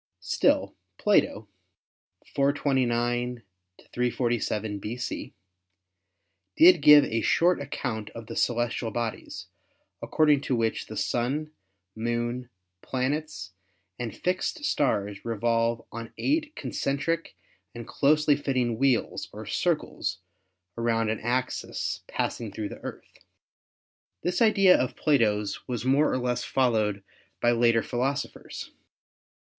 Still, Plato (429 347 B.C.) did give a short account of the celestial bodies, according to which the Sun, Moon, planets and fixed stars revolve on eight concentric and closely fitting wheels or circles around an axis passing through the Earth. This idea of Plato's was more or less followed by later philosophers.